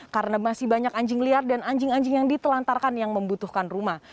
karena masih banyak anjing liar dan anjing anjing yang ditelantarkan yang membutuhkan rumah